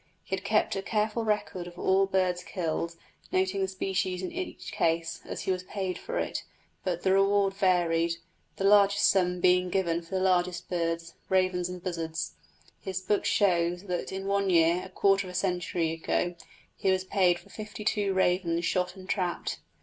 He had kept a careful record of all birds killed, noting the species in every case, as he was paid for all, but the reward varied, the largest sum being given for the largest birds ravens and buzzards. His book shows that in one year, a quarter of a century ago, he was paid for fifty two ravens shot and trapped.